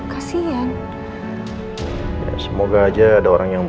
kalau ada pasti mama mau banget bantu